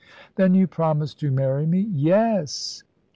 "Then you promise to marry me." "Yes!"